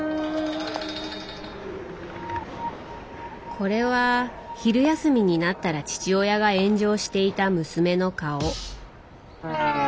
これは昼休みになったら父親が炎上していた娘の顔。